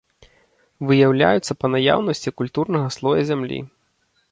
Выяўляюцца па наяўнасці культурнага слоя зямлі.